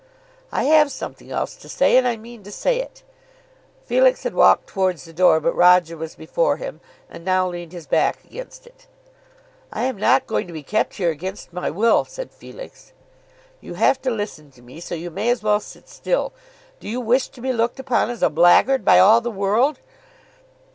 "I have something else to say, and I mean to say it." Felix had walked towards the door, but Roger was before him, and now leaned his back against it. "I am not going to be kept here against my will," said Felix. "You have to listen to me, so you may as well sit still. Do you wish to be looked upon as a blackguard by all the world?"